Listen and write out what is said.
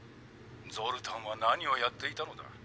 ゾルタンは何をやっていたのだ？